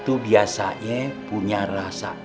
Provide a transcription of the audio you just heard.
itu biasanya punya rasa